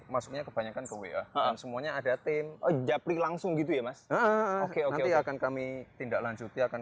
masuknya kebanyakan ke wa dan semuanya ada tim ya pri langsung gitu ya mas akan kami tindaklanjuti akan